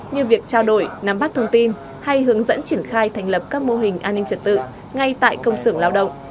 như việc trao đổi nắm bắt thông tin hay hướng dẫn triển khai thành lập các mô hình an ninh trật tự ngay tại công sưởng lao động